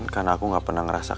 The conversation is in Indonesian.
karena aku gak pernah ngerasa